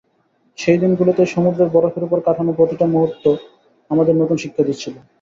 সেই দিনগুলিতে, সমুদ্রের বরফের উপর কাটানো প্রতিটা মুহূর্ত আমাদের নতুন শিক্ষা দিচ্ছিলো।